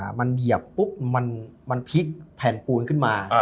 มันเหยียบปุ๊บมันพลิกแผ่นปูนขึ้นมา